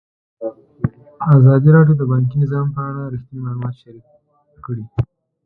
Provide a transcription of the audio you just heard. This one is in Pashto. ازادي راډیو د بانکي نظام په اړه رښتیني معلومات شریک کړي.